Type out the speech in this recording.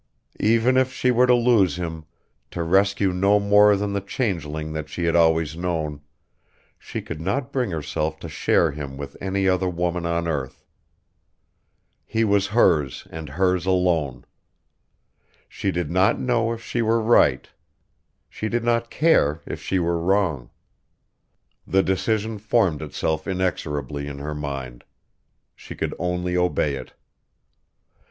Even if she were to lose him, to rescue no more than the changeling that she had always known, she could not bring herself to share him with any other woman on earth. He was hers and hers alone. She did not know if she were right. She did not care if she were wrong. The decision formed itself inexorably in her mind. She could only obey it.